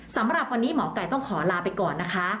สำหรับวันนี้หมอไก่ต้องขอลาไปก่อนนะคะ